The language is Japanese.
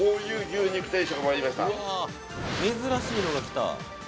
珍しいのが来た。